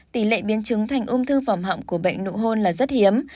tỷ lệ biến chứng thành ung thư vòng họng của bệnh nụ hôn là rất hiếm